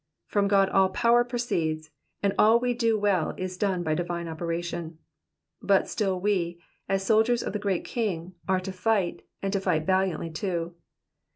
'''' From God all power proceeds, and all we do well is done by divine operation ; but still we, as solaiers of the great king, are to fight, and to fight valiantly too.